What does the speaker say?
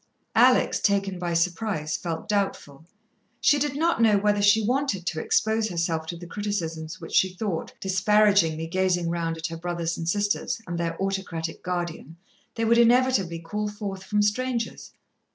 Alex, taken by surprise, felt doubtful. She did not know whether she wanted to expose herself to the criticisms which she thought, disparagingly gazing round at her brothers and sisters and their autocratic guardian, they would inevitably call forth from strangers.